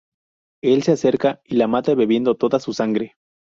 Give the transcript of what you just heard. Él se acerca y la mata bebiendo toda su sangre.